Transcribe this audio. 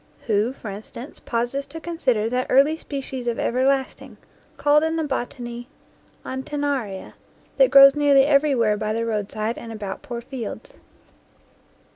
Who, for instance, pauses to consider that early species of everlasting, called in the botany Anten naria, that grows nearly everywhere by the roadside and about poor fields?